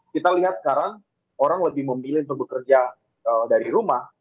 kita lihat sekarang orang lebih memilih untuk bekerja dari rumah